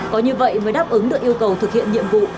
có như vậy mới đáp ứng được yêu cầu thực hiện nhiệm vụ